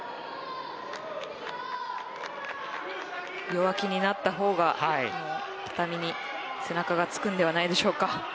弱気になった方が畳に背中がつくのではないでしょうか。